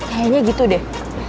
kayaknya gitu deh